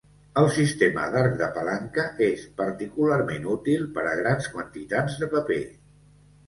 El sistema d'arc de palanca és particularment útil per a grans quantitats de paper.